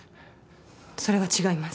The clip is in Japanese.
それは違います